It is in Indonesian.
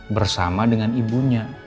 bersama dengan ibunya